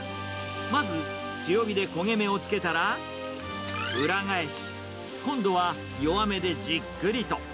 まず強火で焦げ目をつけたら、裏返し、今度は弱めでじっくりと。